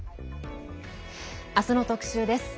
明日の特集です。